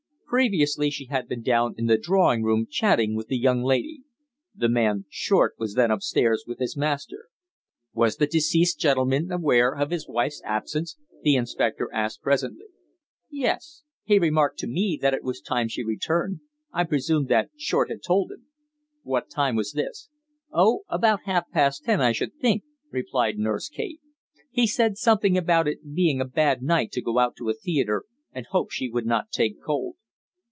Previously she had been down in the drawing room chatting with the young lady. The man Short was then upstairs with his master. "Was the deceased gentleman aware of his wife's absence?" the inspector asked presently. "Yes. He remarked to me that it was time she returned. I presume that Short had told him." "What time was this?" "Oh! about half past ten, I should think," replied Nurse Kate. "He said something about it being a bad night to go out to a theatre, and hoped she would not take cold."